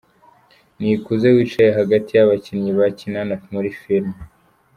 Nikuze wicaye hagati y'abakinnyi bakinana muri iyi filime.